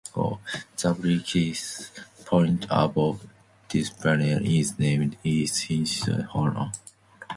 Zabriskie Point above Death Valley is named in his honor.